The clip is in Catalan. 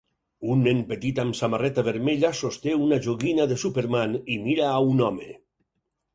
Un nen petit amb samarreta vermella sosté una joguina de Superman i mira a un home.